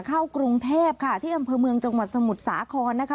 เข้ากรุงเทพค่ะที่อำเภอเมืองจังหวัดสมุทรสาครนะคะ